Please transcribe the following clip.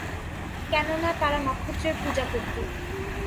কেননা, তারা নক্ষত্রের পূজা করত।